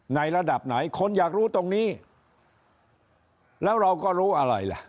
ในระดับไหนคนอยากรู้ตรงนี้แล้วเราก็รู้อะไรล่ะ